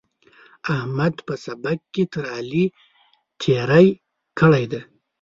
احمد په سبق کې تر علي تېری کړی دی.